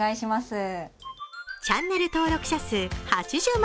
チャンネル登録者数８０万